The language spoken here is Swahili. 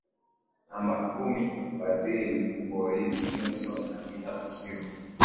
namba kumi Waziri Mkuu Boris Johnson aliita tukio